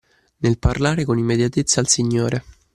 Nel parlare con immediatezza al Signore.